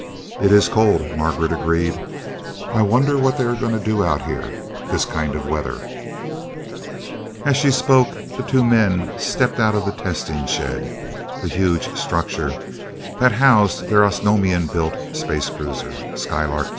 "It is cold," Margaret agreed. "I wonder what they are going to do out here, this kind of weather?" As she spoke, the two men stepped out of the "testing shed" the huge structure that housed their Osnomian built space cruiser, "Skylark II."